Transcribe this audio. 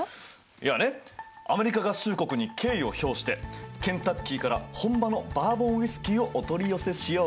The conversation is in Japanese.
いやねアメリカ合衆国に敬意を表してケンタッキーから本場のバーボンウイスキーをお取り寄せしようかなと。